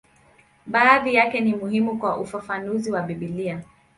Baadhi yake ni muhimu kwa ufafanuzi wa Biblia.